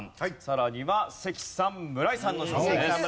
さらには関さん村井さんの勝負です。